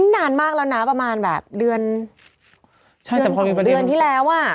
นานมากแล้วนะประมาณแบบเดือนที่แล้วอ่ะ